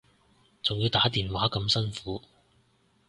仲要打電話咁辛苦